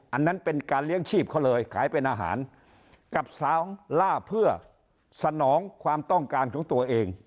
อันนั้นเป็นการเลี้ยงชีพเขาเลยขายเป็นอาหารกับสาวล่าเพื่อสนองความต้องการของตัวเอง